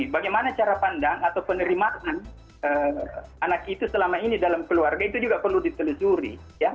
bagaimana cara pandang atau penerimaan anak itu selama ini dalam keluarga itu juga perlu ditelusuri